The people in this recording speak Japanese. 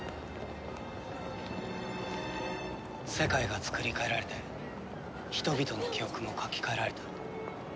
世界がつくり変えられて人々の記憶も書き換えられた。